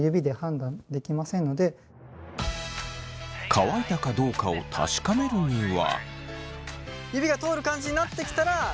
乾いたかどうかを確かめるには？